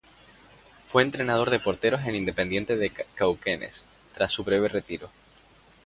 Fue entrenador de porteros en Independiente de Cauquenes, tras su breve retiro.